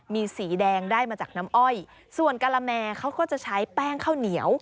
มีสีแดงได้มาจากน้ำอ้อยส่วนกะละแมเขาก็จะใช้แป้งข้าวเหนียว